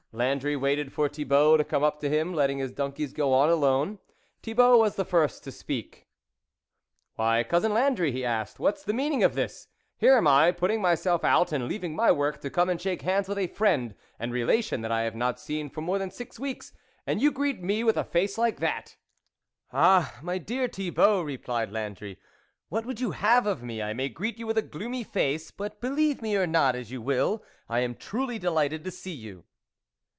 Landry waited for Thibault to come up to him, letting his donkeys go on alone. Thibault was the first to speak : "Why, Cousin Landry," he asked, " what's the meaning of this ? Here am I, putting myself out and leaving my work to come and shake hands with a friend and relation that I have not seen for more than six weeks, and you greet me with a face like that !"" Ah, my dear Thibault," replied Landry, " what would you have of me ! I may greet you with a gloomy face, but, believe me or not as you will, I am truly de lighted to see you."